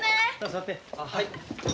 はい。